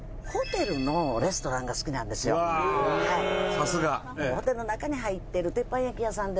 さすが！ホテルの中に入ってる鉄板焼き屋さんで。